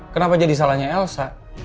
kenapa jadi salahnya elsa